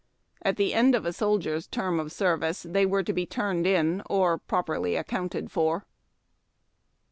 At the end of a soldier's term of service, they were to be turned in or properly accounted for.